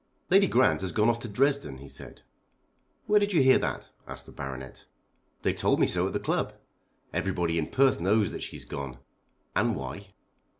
"Lady Grant has gone off to Dresden," he said. "Where did you hear that?" asked the Baronet. "They told me so at the club. Everybody in Perth knows that she has gone; and why."